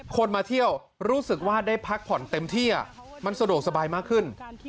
คนมาเที่ยวรู้สึกว่าได้พักผ่อนเต็มที่มันสะดวกสบายมากขึ้น